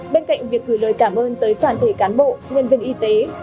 bên cạnh việc gửi lời cảm ơn tới toàn thể cán bộ nhân viên y tế